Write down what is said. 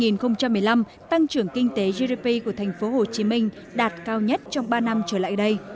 năm hai nghìn một mươi năm tăng trưởng kinh tế gdp của tp hcm đạt cao nhất trong ba năm trở lại đây